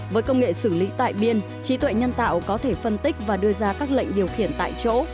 với công nghệ xử lý tại biên trí tuệ nhân tạo có thể phân tích và đưa ra các lệnh điều khiển tại chỗ